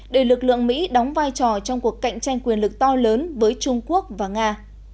để lực lượng mỹ đóng vai trò trong cuộc cạnh tranh quyền lực to lớn với trung quốc và nga